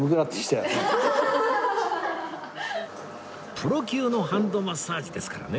プロ級のハンドマッサージですからね